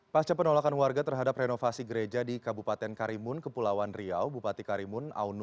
pasca penolakan warga terhadap renovasi gereja di kabupaten karimun kepulauan riau bupati karimun awang dan bupati riau